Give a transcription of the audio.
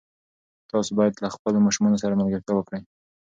تاسو باید له خپلو ماشومانو سره ملګرتیا وکړئ.